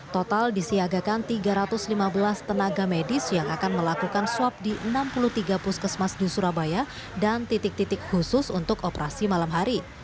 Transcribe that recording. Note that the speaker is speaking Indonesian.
total disiagakan tiga ratus lima belas tenaga medis yang akan melakukan swab di enam puluh tiga puskesmas di surabaya dan titik titik khusus untuk operasi malam hari